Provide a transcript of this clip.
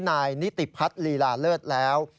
นายนิติพัฒน์ลีลาเลิศแล้ว